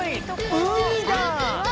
海だ！